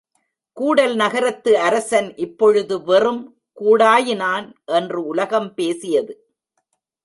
கூடல் நகரத்து அரசன் இப்பொழுது வெறும் கூடாயினான் என்று உலகம் பேசியது.